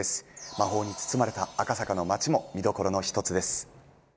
魔法に包まれた赤坂の街も見どころの一つです